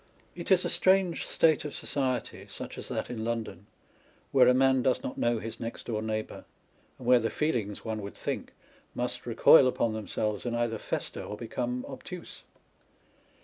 It is a strange state of society (such as that in London) where a man does not know his next door neighbour, and where the feelings (one would think) must recoil upon themselves, and either fester or become obtuse.